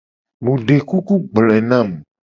Mu de kuku gbloe na mu.